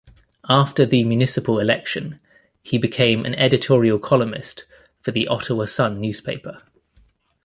After the municipal election, he became an editorial columnist for the "Ottawa Sun" newspaper.